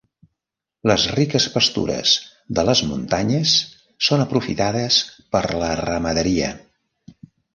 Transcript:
Les riques pastures de les muntanyes són aprofitades per la ramaderia.